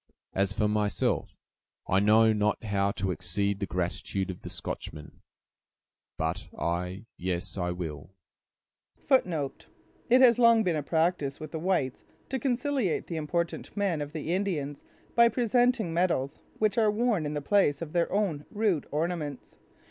As for myself, I know not how to exceed the gratitude of the Scotchman, but I—yes, I will—" It has long been a practice with the whites to conciliate the important men of the Indians by presenting medals, which are worn in the place of their own rude ornaments.